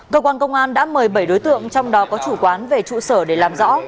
cơ quan công an đã mời bảy đối tượng trong đó có chủ quán về trụ sở để làm rõ